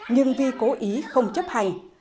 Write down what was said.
nhưng vi cố ý không chấp nhận